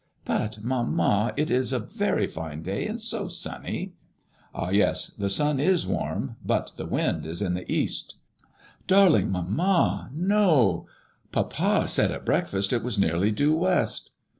*' ^'But, mamma, it is a very fine day, and so sunny." ''Ah I yes; the sun is warm, but the wind is in the east" ''Darling mamma, no, papa said at breakfast it was nearly due west."